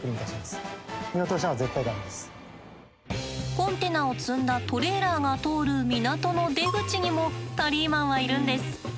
コンテナを積んだトレーラーが通る港の出口にもタリーマンはいるんです。